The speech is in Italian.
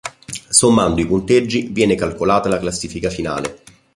Sommando i punteggi viene calcolata la classifica finale.